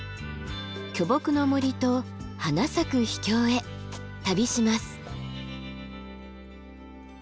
巨木の森と花咲く秘境へ旅します。